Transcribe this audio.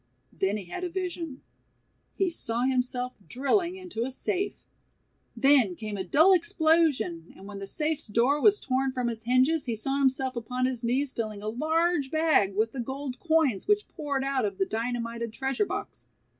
Then he had a vision. He saw himself drilling into a safe. Then came a dull explosion and when the safe's door was torn from its hinges he saw himself upon his knees filling a large bag with the gold coins which poured out of the dynamited treasure box.